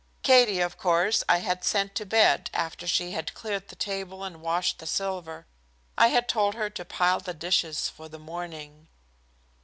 Katie, of course, I had sent to bed after she had cleared the table and washed the silver. I had told her to pile the dishes for the morning.